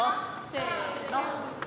せの。